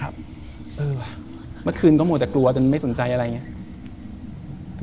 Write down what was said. เมื่อคืนก็มัวแต่กลัวจนไม่สนใจอะไรอย่างนี้